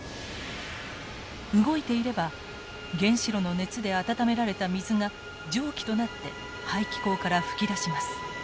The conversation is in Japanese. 動いていれば原子炉の熱で温められた水が蒸気となって排気口から噴き出します。